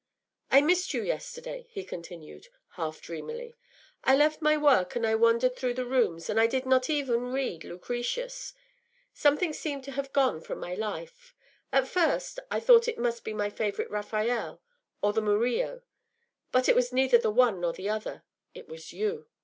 “I missed you yesterday,” he continued, half dreamily. “I left my work, and I wandered through the rooms, and I did not even read Lucretius. Something seemed to have gone from my life. At first I thought it must be my favourite Raphael, or the Murillo; but it was neither the one nor the other; it was you.